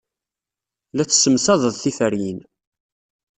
La tessemsadeḍ tiferyin.